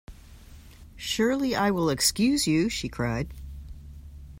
Surely I will excuse you, she cried.